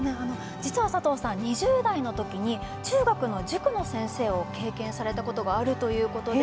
実は佐藤さん２０代のときに中学の塾の先生を経験されたことがあるということです。